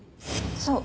そう。